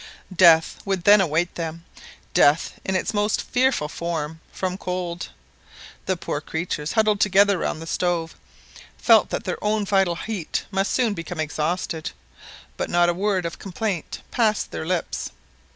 Death would then await them death in its most fearful form, from cold. The poor creatures, huddled together round the stove, felt that their own vital heat must soon become exhausted, but not a word of complaint passed their lips.